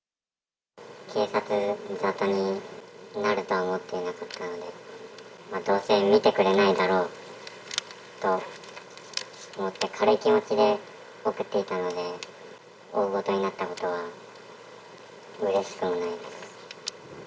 警察沙汰になるとは思っていなかったので、どうせ見てくれないだろうと思って、軽い気持ちで送っていたので、大ごとになったことは、うれしくもないです。